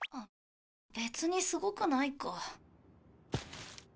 別にすごくないか。